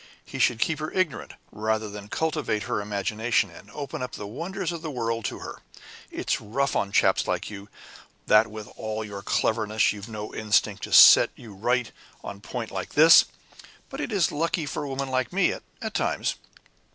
He should keep her ignorant, rather than cultivate her imagination, and open up the wonders of the world to her. It's rough on chaps like you, that with all your cleverness you've no instinct to set you right on a point like this but it is lucky for women like me at times!